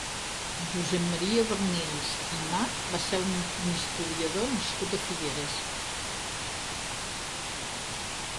Josep Maria Bernils i Mach va ser un historiador nascut a Figueres.